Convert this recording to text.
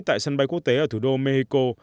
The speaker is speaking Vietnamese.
tại sân bay quốc tế ở thủ đô mexico